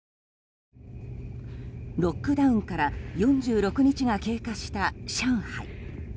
ロックダウンから４６日が経過した上海。